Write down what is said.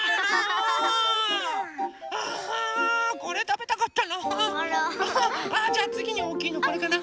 ああじゃあつぎにおおきいのこれかな？